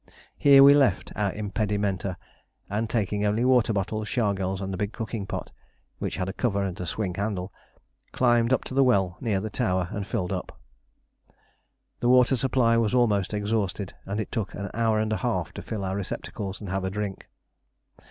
Here we left our impedimenta, and taking only water bottles, chargals, and the big cooking pot, which had a cover and swing handle, climbed up to the well near the tower and filled up. The water supply was almost exhausted, and it took an hour and a half to fill our receptacles and have a drink.